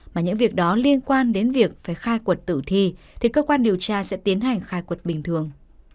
mà những việc đó liên quan đến việc phải khai quật tử thi thì cơ quan điều tra sẽ tiến hành khai quật bình thường